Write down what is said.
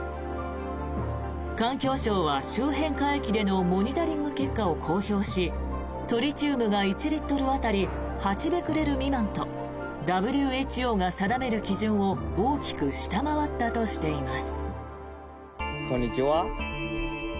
環境省は周辺海域でのモニタリング結果を公表しトリチウムが、１リットル当たり８ベクレル未満とＷＨＯが定める基準を大きく下回ったとしています。